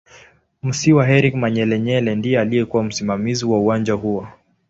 Musiiwa Eric Manyelenyele ndiye aliyekuw msimamizi wa uwanja huo